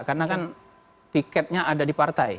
karena kan tiketnya ada di partai